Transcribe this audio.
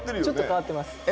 ちょっと変わってます。